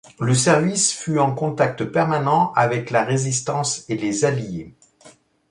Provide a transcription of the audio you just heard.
Le service fut en contact permanent avec la résistance et les alliés.